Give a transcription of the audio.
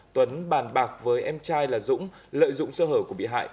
tuấn bàn bạc với em trai là dũng lợi dụng sơ hở của bị hại